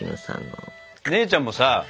姉ちゃんもさ